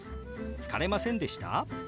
「疲れませんでした？」。